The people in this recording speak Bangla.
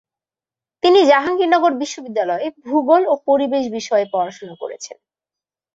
তিনি জাহাঙ্গীরনগর বিশ্ববিদ্যালয়ে ভূগোল ও পরিবেশ বিষয়ে পড়াশোনা করেছেন।